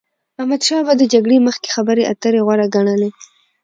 احمدشا بابا به د جګړی مخکي خبري اتري غوره ګڼلې.